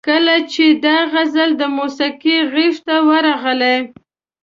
کله چې دا غزل د موسیقۍ غیږ ته ورغله.